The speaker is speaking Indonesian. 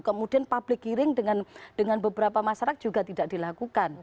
kemudian public hearing dengan beberapa masyarakat juga tidak dilakukan